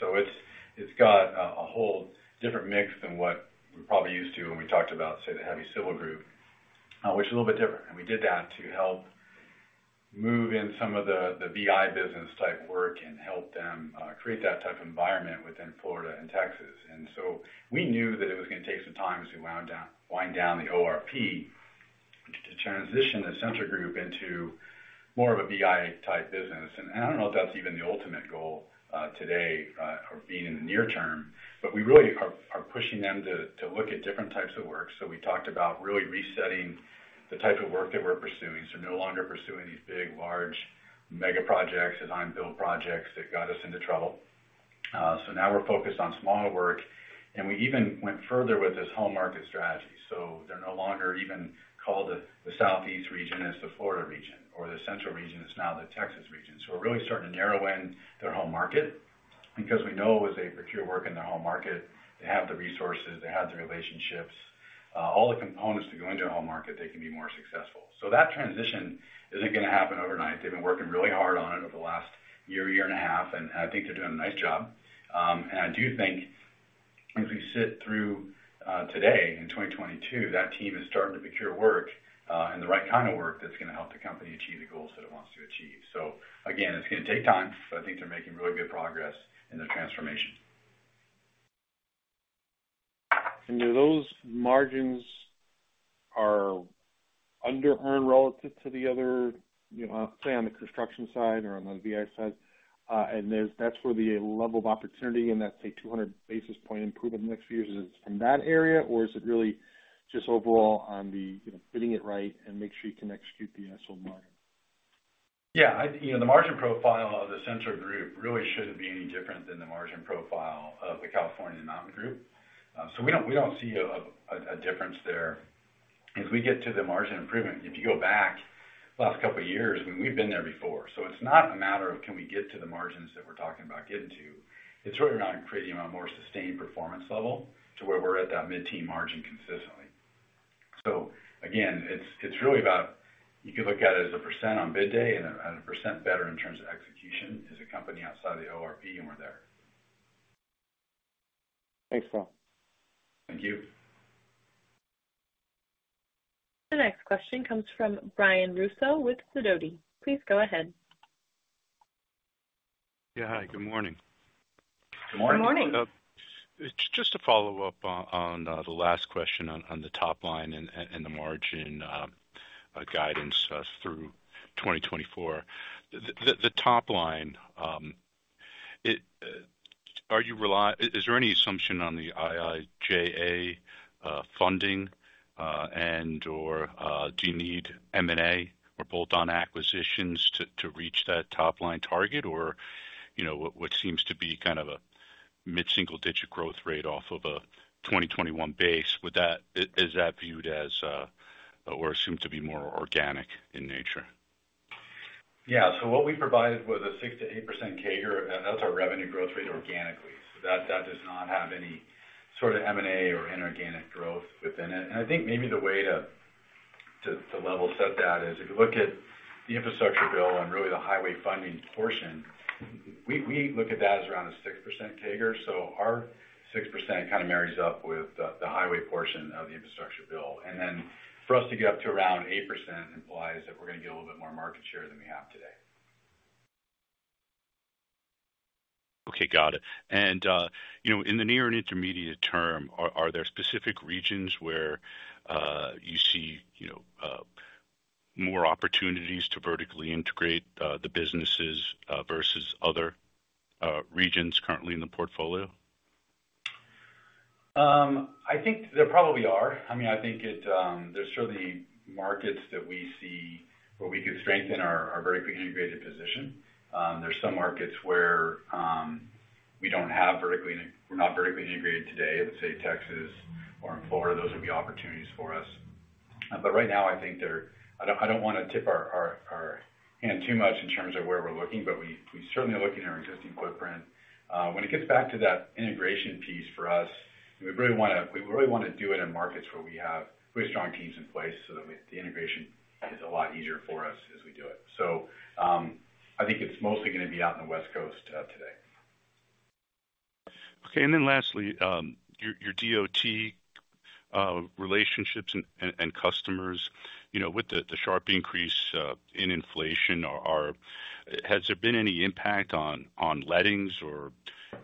Speaker 3: It's got a whole different mix than what we're probably used to when we talked about, say, the heavy civil group, which is a little bit different. We did that to help move in some of the B&I business type work and help them create that type of environment within Florida and Texas. We knew that it was gonna take some time as we wind down the ORP to transition the Central Group into more of a B&I type business. I don't know if that's even the ultimate goal, today, or even in the near term, but we really are pushing them to look at different types of work. We talked about really resetting the type of work that we're pursuing. No longer pursuing these big, large mega projects, design-build projects that got us into trouble. Now we're focused on smaller work, and we even went further with this whole market strategy. They're no longer even called the Southeast region, it's the Florida region or the Central region, it's now the Texas region. We're really starting to narrow in their home market because we know as they procure work in their home market, they have the resources, they have the relationships, all the components to go into a home market, they can be more successful. That transition isn't gonna happen overnight. They've been working really hard on it over the last year and a half, and I think they're doing a nice job. I do think as we sit through today in 2022, that team is starting to procure work, and the right kind of work that's gonna help the company achieve the goals that it wants to achieve. Again, it's gonna take time, but I think they're making really good progress in their transformation.
Speaker 6: Do those margins are underearned relative to the other, you know, say, on the construction side or on the B&I side? That's where the level of opportunity in that, say, 200 basis point improvement in the next few years is in that area? Or is it really just overall on the, you know, getting it right and make sure you can execute the SO margin?
Speaker 3: Yeah. You know, the margin profile of the Central Group really shouldn't be any different than the margin profile of the California Mountain Group. We don't see a difference there. As we get to the margin improvement, if you go back last couple of years, I mean, we've been there before. It's not a matter of can we get to the margins that we're talking about getting to. It's really around creating a more sustained performance level to where we're at that mid-teen margin consistently. It's really about you can look at it as a percent on bid day and a percent better in terms of execution as a company outside the ORP, and we're there.
Speaker 6: Thanks, Kyle.
Speaker 3: Thank you.
Speaker 1: The next question comes from Brian Russo with Sidoti. Please go ahead.
Speaker 7: Yeah. Hi, good morning.
Speaker 3: Good morning.
Speaker 4: Good morning.
Speaker 7: Just to follow up on the last question on the top line and the margin guidance through 2024. The top line, is there any assumption on the IIJA funding and/or do you need M&A or bolt-on acquisitions to reach that top line target? Or, you know, what seems to be kind of a mid-single-digit growth rate off of a 2021 base, is that viewed as or assumed to be more organic in nature?
Speaker 3: Yeah. What we provided was a 6%-8% CAGR. That's our revenue growth rate organically. That does not have any sort of M&A or inorganic growth within it. I think maybe the way to level set that is if you look at the infrastructure bill and really the highway funding portion, we look at that as around a 6% CAGR. Our 6% kind of marries up with the highway portion of the infrastructure bill. Then for us to get up to around 8% implies that we're gonna get a little bit more market share than we have today.
Speaker 7: Okay. Got it. You know, in the near and intermediate term, are there specific regions where you see, you know, more opportunities to vertically integrate the businesses versus other regions currently in the portfolio?
Speaker 3: I think there probably are. I mean, I think it. There's certainly markets that we see where we could strengthen our vertically integrated position. There's some markets where we're not vertically integrated today, let's say Texas or in Florida, those would be opportunities for us. Right now, I don't wanna tip our hand too much in terms of where we're looking, but we certainly are looking at our existing footprint. When it gets back to that integration piece for us, we really wanna do it in markets where we have really strong teams in place so that the integration is a lot easier for us as we do it. I think it's mostly gonna be out in the West Coast today.
Speaker 7: Okay. Lastly, your DOT relationships and customers, you know, with the sharp increase in inflation. Has there been any impact on lettings or,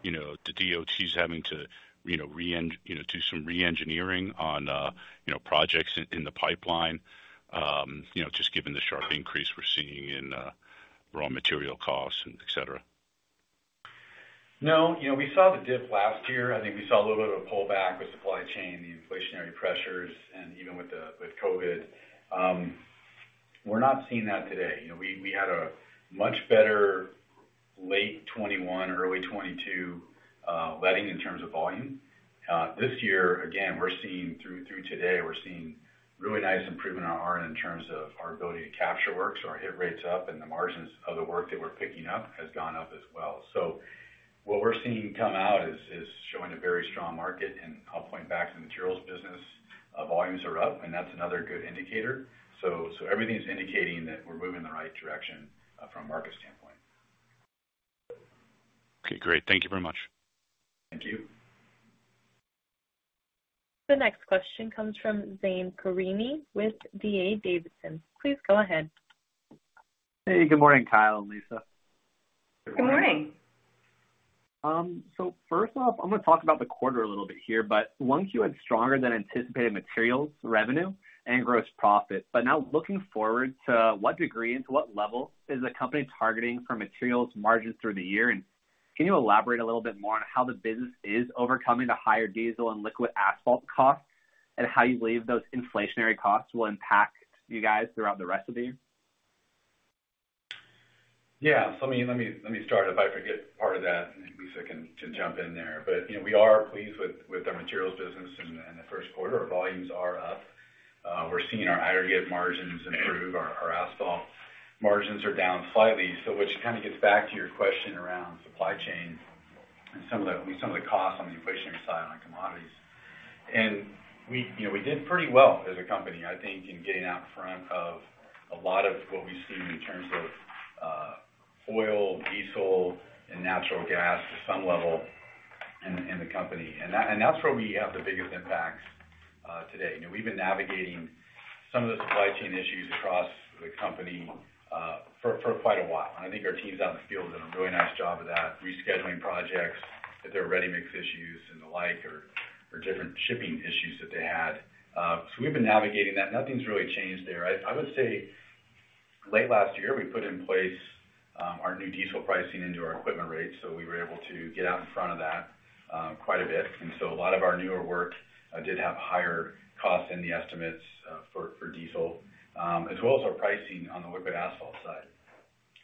Speaker 7: you know, the DOTs having to, you know, do some re-engineering on, you know, projects in the pipeline, you know, just given the sharp increase we're seeing in raw material costs and et cetera?
Speaker 3: No. You know, we saw the dip last year. I think we saw a little bit of a pullback with supply chain, the inflationary pressures, and even with COVID. We're not seeing that today. You know, we had a much better late 2021, early 2022, letting in terms of volume. This year, again, we're seeing through today, we're seeing really nice improvement on our end in terms of our ability to capture works. Our hit rate's up and the margins of the work that we're picking up has gone up as well. What we're seeing come out is showing a very strong market, and I'll point back to the materials business. Volumes are up, and that's another good indicator. Everything's indicating that we're moving in the right direction, from a market standpoint.
Speaker 7: Okay, great. Thank you very much.
Speaker 3: Thank you.
Speaker 1: The next question comes from Zane Karimi with D.A. Davidson. Please go ahead.
Speaker 8: Hey, good morning, Kyle and Lisa.
Speaker 4: Good morning.
Speaker 1: Good morning.
Speaker 8: First off, I'm gonna talk about the quarter a little bit here, but 1Q had stronger than anticipated materials revenue and gross profit. Now looking forward, to what degree and to what level is the company targeting for materials margins through the year? Can you elaborate a little bit more on how the business is overcoming the higher diesel and liquid asphalt costs, and how you believe those inflationary costs will impact you guys throughout the rest of the year?
Speaker 3: Yeah. Let me start. If I forget part of that, then Lisa can jump in there. You know, we are pleased with our materials business in the first quarter. Our volumes are up. We're seeing our aggregates margins improve. Our asphalt margins are down slightly, which kinda gets back to your question around supply chain and some of the, I mean, some of the costs on the inflationary side on commodities. You know, we did pretty well as a company, I think, in getting out in front of a lot of what we've seen in terms of oil, diesel, and natural gas to some level in the company. That's where we have the biggest impacts today. You know, we've been navigating some of the supply chain issues across the company, for quite a while. I think our teams out in the field have done a really nice job of that, rescheduling projects if there are ready-mix issues and the like or different shipping issues that they had. We've been navigating that. Nothing's really changed there. I would say late last year, we put in place our new diesel pricing into our equipment rates, so we were able to get out in front of that quite a bit. A lot of our newer work did have higher costs in the estimates for diesel as well as our pricing on the liquid asphalt side.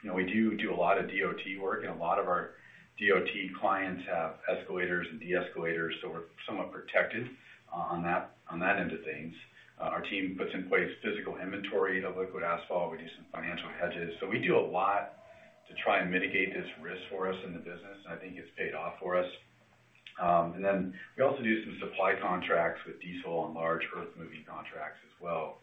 Speaker 3: You know, we do a lot of DOT work, and a lot of our DOT clients have escalators and deescalators, so we're somewhat protected on that end of things. Our team puts in place physical inventory of liquid asphalt. We do some financial hedges. We do a lot to try and mitigate this risk for us in the business, and I think it's paid off for us. We also do some supply contracts with diesel and large earth-moving contracts as well.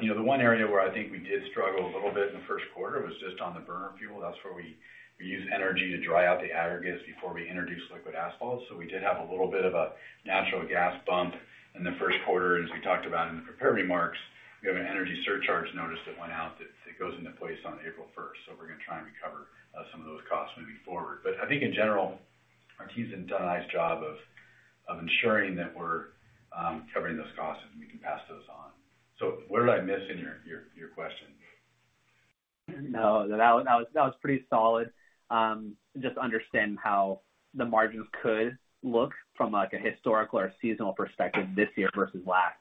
Speaker 3: You know, the one area where I think we did struggle a little bit in the first quarter was just on the burner fuel. That's where we use energy to dry out the aggregates before we introduce liquid asphalt. We did have a little bit of a natural gas bump in the first quarter. As we talked about in the prepared remarks, we have an energy surcharge notice that went out that goes into place on April first. We're gonna try and recover some of those costs moving forward. I think in general, our team's done a nice job of ensuring that we're covering those costs and we can pass those on. What did I miss in your question?
Speaker 8: No, that was pretty solid. Just understand how the margins could look from, like, a historical or seasonal perspective this year versus last,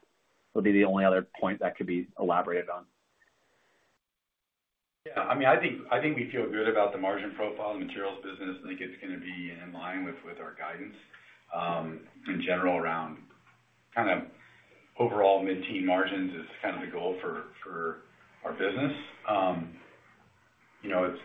Speaker 8: would be the only other point that could be elaborated on.
Speaker 3: Yeah. I mean, I think we feel good about the margin profile of the materials business. I think it's gonna be in line with our guidance in general around kind of overall mid-teen margins is kind of the goal for our business. You know,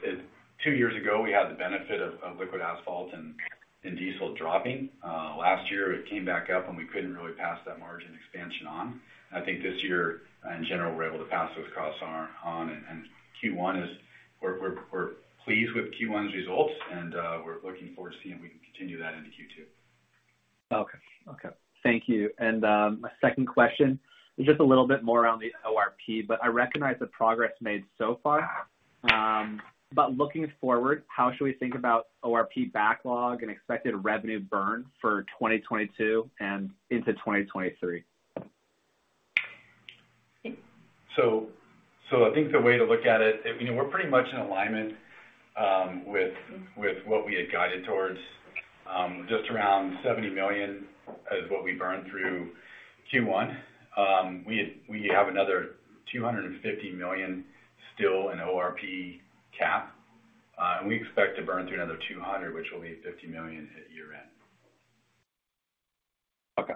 Speaker 3: two years ago, we had the benefit of liquid asphalt and diesel dropping. Last year, it came back up, and we couldn't really pass that margin expansion on. I think this year in general, we're able to pass those costs on. We're pleased with Q1's results and we're looking forward to seeing if we can continue that into Q2.
Speaker 8: Okay. Thank you. My second question is just a little bit more on the ORP, but I recognize the progress made so far. Looking forward, how should we think about ORP backlog and expected revenue burn for 2022 and into 2023?
Speaker 3: I think the way to look at it, you know, we're pretty much in alignment with what we had guided towards, just around $70 million is what we burned through Q1. We have another $250 million still in ORP CapEx. We expect to burn through another $200 million, which will leave $50 million at year-end.
Speaker 8: Okay.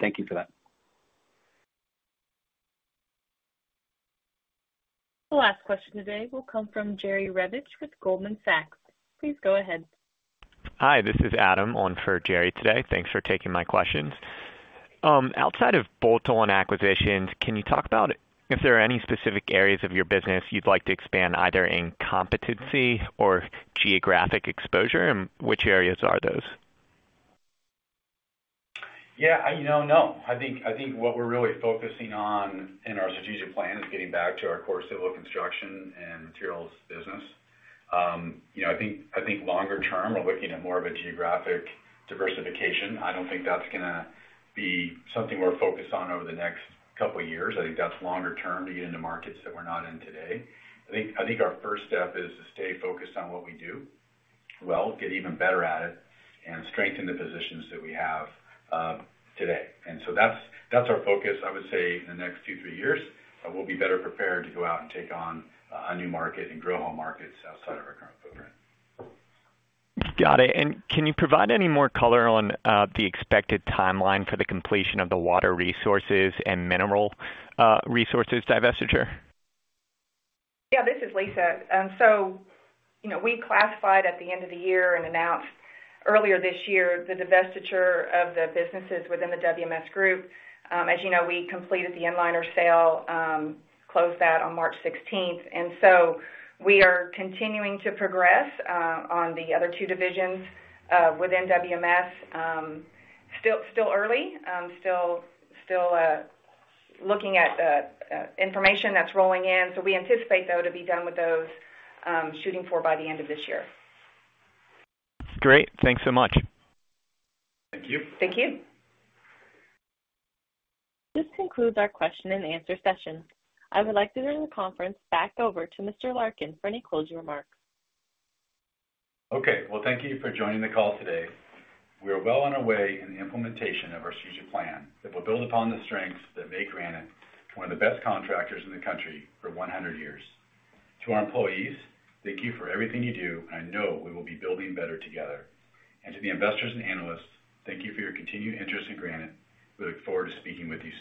Speaker 8: Thank you for that.
Speaker 1: The last question today will come from Jerry Revich with Goldman Sachs. Please go ahead.
Speaker 9: Hi, this is Adam on for Jerry today. Thanks for taking my questions. Outside of bolt-on acquisitions, can you talk about if there are any specific areas of your business you'd like to expand, either in competency or geographic exposure, and which areas are those?
Speaker 3: Yeah, you know, no. I think what we're really focusing on in our strategic plan is getting back to our core civil construction and materials business. You know, I think longer term, we're looking at more of a geographic diversification. I don't think that's gonna be something we're focused on over the next couple of years. I think that's longer term to get into markets that we're not in today. I think our first step is to stay focused on what we do well, get even better at it, and strengthen the positions that we have today. That's our focus, I would say, in the next two, three years, but we'll be better prepared to go out and take on a new market and grow home markets outside of our current footprint.
Speaker 9: Got it. Can you provide any more color on the expected timeline for the completion of the Water Resources and Mineral Services divestiture?
Speaker 4: Yeah, this is Lisa. So, you know, we classified at the end of the year and announced earlier this year the divestiture of the businesses within the WMS group. As you know, we completed the Inliner sale, closed that on March sixteenth. We are continuing to progress on the other two divisions within WMS. Still early. Still looking at the information that's rolling in. We anticipate, though, to be done with those, shooting for by the end of this year.
Speaker 9: Great. Thanks so much.
Speaker 3: Thank you.
Speaker 4: Thank you.
Speaker 1: This concludes our question and answer session. I would like to turn the conference back over to Mr. Larkin for any closing remarks.
Speaker 3: Okay. Well, thank you for joining the call today. We are well on our way in the implementation of our strategic plan that will build upon the strengths that make Granite one of the best contractors in the country for one hundred years. To our employees, thank you for everything you do. I know we will be building better together. To the investors and analysts, thank you for your continued interest in Granite. We look forward to speaking with you soon.